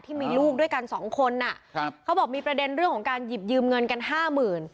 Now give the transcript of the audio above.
ที่มีลูกด้วยกันสองคนอ่ะครับเขาบอกมีประเด็นเรื่องของการหยิบยืมเงินกันห้าหมื่น